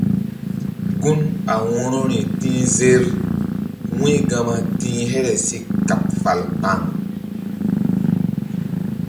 Gun a wo̧rori ti̧h zer wu̧y Gama ti̧h here si kaɓ fal kpaŋ.